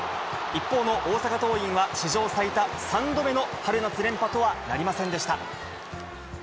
一方の大阪桐蔭は、史上最多３度目の春夏連覇とはなりませんでした。